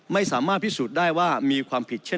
ไม่สามารถพิสูจน์ได้ว่ามีความผิดเช่น